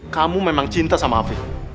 kamu memang cinta sama api